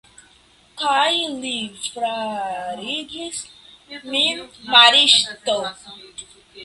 Kaj li farigis min maristo.